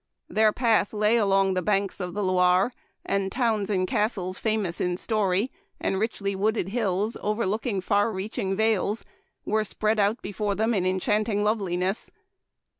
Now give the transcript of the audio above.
Their path lay along the banks of the Loire, and towns and castles fa mous in story, and richly wooded hills over looking far reaching vales, were spread out be fore them in enchanting loveliness.